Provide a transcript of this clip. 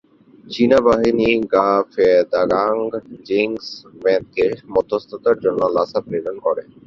চীনা বাহিনী ঙ্গা-ফোদ-ঙ্গাগ-দ্বাং-'জিগ্স-'মেদকে মধ্যস্থতার জন্য লাসা প্রেরণ করে।